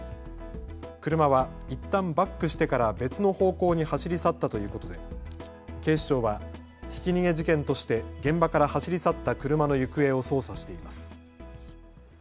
車はいったんバックしてから別の方向に走り去ったということで警視庁はひき逃げ事件として現場から走り去った車の行方を捜査しています。